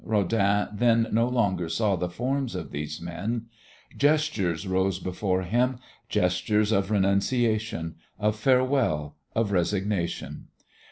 Rodin then no longer saw the forms of these men. Gestures rose before him, gestures of renunciation, of farewell, of resignation.